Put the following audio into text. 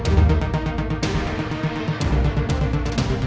tentu gak sanggup lihat dia